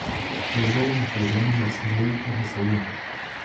روژه د محتاجانو لاسنیوی ته هڅوي.